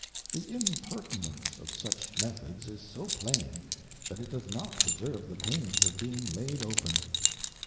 The Impertinence of such Methods is so plain, that it doth not deserve the pains of being laid open.